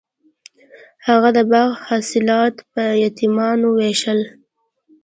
هغه د باغ حاصلات په یتیمانو ویشل.